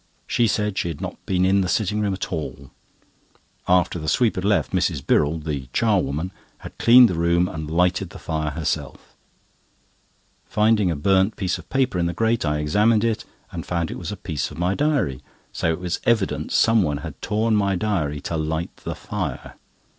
She said she had not been in the sitting room at all; after the sweep had left, Mrs. Birrell (the charwoman) had cleaned the room and lighted the fire herself. Finding a burnt piece of paper in the grate, I examined it, and found it was a piece of my diary. So it was evident some one had torn my diary to light the fire.